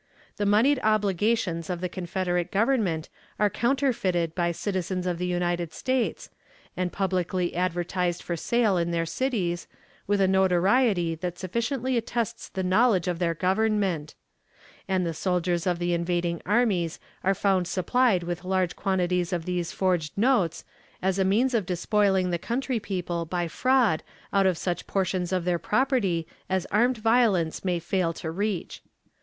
The moneyed obligations of the Confederate Government are counterfeited by citizens of the United States, and publicly advertised for sale in their cities, with a notoriety that sufficiently attests the knowledge of their Government; and the soldiers of the invading armies are found supplied with large quantities of these forged notes as a means of despoiling the country people by fraud out of such portions of their property as armed violence may fail to reach.